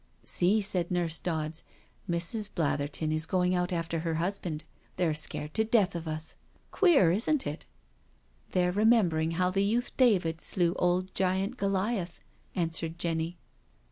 " See," said Nurse Dodds. " Mrs. Blatherton is going out after her husband— they're scared to death of us — queer, isn't it?" " They're remembering how the youth David slew old giant Goliath," answered Jenny.